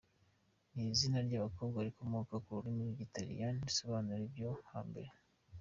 Ni izina ry’abakobwa rikomoka ku rurimi rw’Ikilatini risobanura “ibyo hambere”.